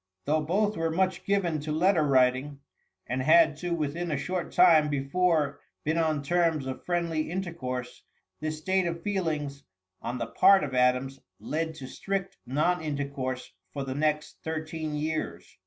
Though both were much given to letter writing, and had to within a short time before been on terms of friendly intercourse, this state of feelings, on the part of Adams, led to strict non intercourse for the next thirteen years.